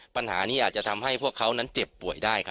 ปัญหานี้อาจจะทำให้พวกเขานั้นเจ็บป่วยได้